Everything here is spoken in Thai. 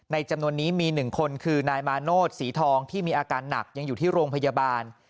จำนวนนี้มี๑คนคือนายมาโนธสีทองที่มีอาการหนักยังอยู่ที่โรงพยาบาล